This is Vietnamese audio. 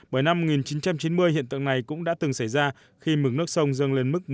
bởi năm một nghìn chín trăm chín mươi hiện tượng này cũng đã từng xảy ra khi mực nước sông dâng lên mức một mươi bốn mươi ba m